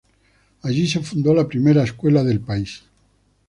Allí se fundó la primera escuela del país.